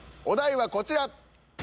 お題はこちら。